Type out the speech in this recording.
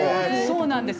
そうなんです。